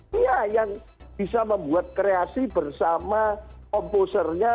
dia yang bisa membuat kreasi bersama composer nya